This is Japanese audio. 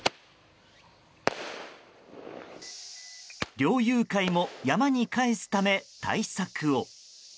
猟友会も山に帰すため、対策を。